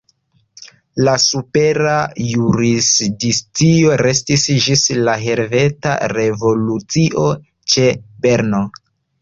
La supera jurisdikcio restis ĝis la Helveta Revolucio ĉe Berno.